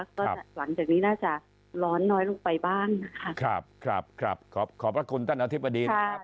ก็หลังจากนี้น่าจะร้อนน้อยลงไปบ้างครับขอบพระคุณต้านอธิบดีครับ